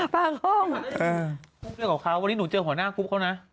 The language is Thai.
เรื่องของเขาวันนี้หนูเจอหัวหน้าครุปเขานะ